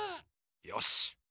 よし。